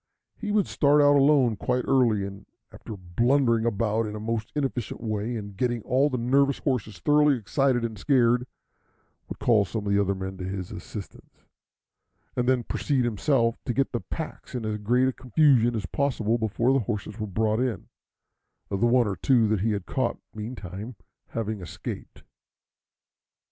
He would start out alone quite early, and after blundering about in a most inefficient way, and getting all the nervous horses thoroughly excited and scared, would call some of the other men to his assistance, and then proceed himself to get the packs in as great confusion as possible before the horses were brought in, the one or two that he had caught meantime having escaped.